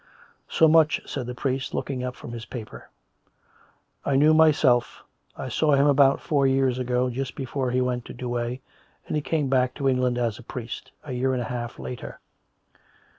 " So much," said the priest, looking up from his paper, " I knew myself. I saw him about four years ago just before he went to Douay, and he came back to England as a priest, a year and a half after.